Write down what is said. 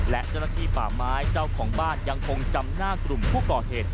และเจ้าหน้าที่ป่าไม้เจ้าของบ้านยังคงจำหน้ากลุ่มผู้ก่อเหตุ